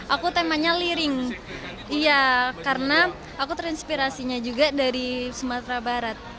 aku temanya liring karena aku transpirasinya juga dari sumatera barat